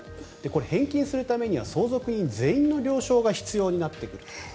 これ、返金するためには相続人全員の了承が必要になってくると。